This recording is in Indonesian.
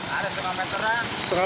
ada setengah meteran